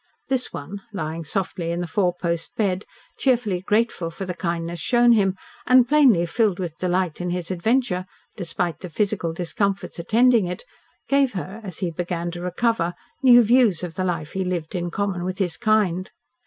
This one, lying softly in the four post bed, cheerfully grateful for the kindness shown him, and plainly filled with delight in his adventure, despite the physical discomforts attending it, gave her, as he began to recover, new views of the life he lived in common with his kind.